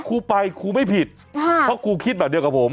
ครูไปครูไม่ผิดเพราะครูคิดแบบเดียวกับผม